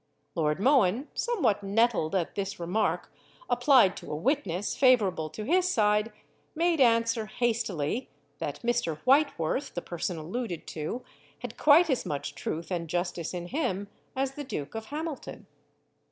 Lord Mohun, somewhat nettled at this remark applied to a witness favourable to his side, made answer hastily, that Mr. Whiteworth, the person alluded to, had quite as much truth and justice in him as the Duke of Hamilton.